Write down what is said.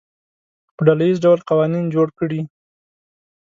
په ډله ییز ډول قوانین جوړ کړي.